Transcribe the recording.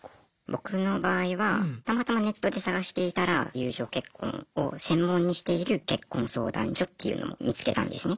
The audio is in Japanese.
僕の場合はたまたまネットで探していたら友情結婚を専門にしている結婚相談所っていうのを見つけたんですね。